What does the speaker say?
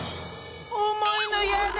重いのやだ！